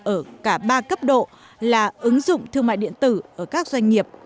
ở cả ba cấp độ là ứng dụng thương mại điện tử ở các doanh nghiệp